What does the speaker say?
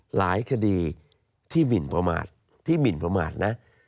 หลายคดีที่หมินประมาทที่หมินประมาทนะ